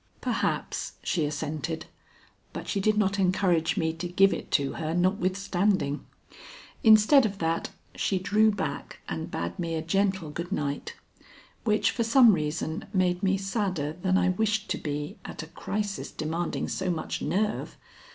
"Perhaps," she assented, but she did not encourage me to give it to her notwithstanding. Instead of that, she drew back and bade me a gentle good night, which for some reason made me sadder than I wished to be at a crisis demanding so much nerve.